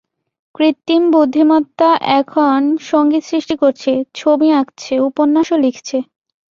কৃত্রিম বুদ্ধিমত্তা এখন সঙ্গীত সৃষ্টি করছে, ছবি আঁকছে, উপন্যাসও লিখছে।